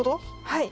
はい。